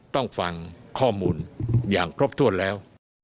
ต้องฟังข้อมูลอย่างครบถ้วนแล้ว